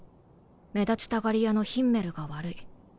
目立ちたがり屋のヒンメルが悪い。